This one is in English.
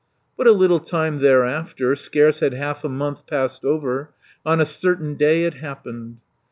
But a little time thereafter, Scarce had half a month passed over, On a certain day it happened.